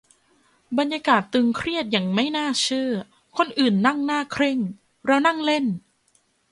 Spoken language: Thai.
บรรยากาศตึงเครียดอย่างไม่น่าเชื่อ คนอื่นนั่งหน้าเคร่ง เรานั่งเล่น